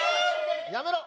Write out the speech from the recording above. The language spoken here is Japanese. やめろ！